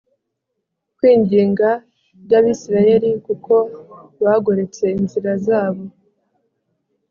kwinginga by Abisirayeli kuko bagoretse inzira zabo